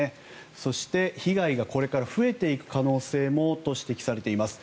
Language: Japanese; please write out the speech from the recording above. そして、被害がこれから増えていく可能性もと指摘されています。